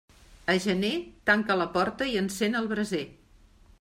A gener, tanca la porta i encén el braser.